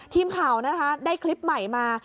ทีมข่าวนะคะได้คลิปใหม่มา